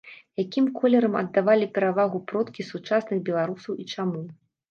Якім колерам аддавалі перавагу продкі сучасных беларусаў і чаму?